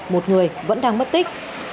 một người vẫn đang mất tích